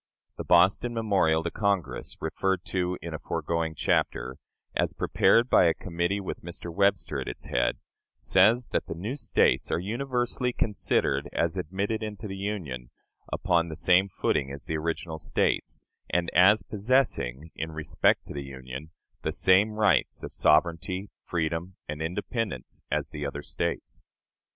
The Boston memorial to Congress, referred to in a foregoing chapter, as prepared by a committee with Mr. Webster at its head, says that the new States "are universally considered as admitted into the Union upon the same footing as the original States, and as possessing, in respect to the Union, the same rights of sovereignty, freedom, and independence, as the other States."